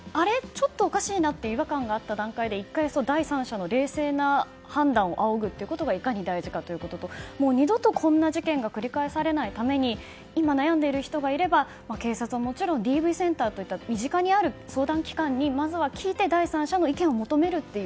ちょっとおかしいなと違和感があった段階で１回、第三者の冷静な判断を仰ぐということがいかに大事かということともう二度と、こんな事件が繰り返されないために今悩んでいる人がいれば警察はもちろんＤＶセンターといった身近にある相談機関にまずは聞いて第三者の意見を求めるという。